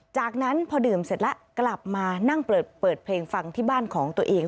จากนั้นพอดื่มเสร็จแล้วกลับมานั่งเปิดเพลงฟังที่บ้านของตัวเอง